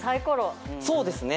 そうですね。